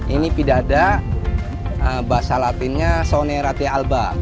ini pidada bahasa latinnya soneratia alba